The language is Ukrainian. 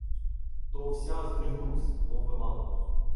То вся здригнусь, мовби мала.